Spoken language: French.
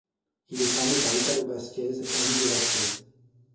Il est formé par Italo Vásquez et Enzo Vásquez.